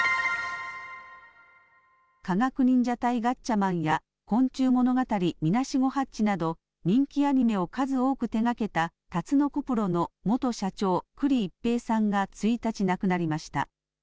科学忍者隊ガッチャマンや昆虫物語みなしごハッチなど、人気アニメを数多く手がけたタツノコプロの元社長、九里一平さんが１日亡くなりました。